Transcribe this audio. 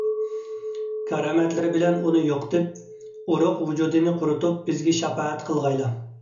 كارامەتلىرى بىلەن ئۇنى يوقىتىپ، ئۇرۇق - ۋۇجۇدىنى قۇرۇتۇپ، بىزگە شاپائەت قىلغايلا.